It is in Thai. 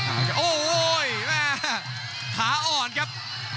โอ้โหแม่ขาอ่อนครับ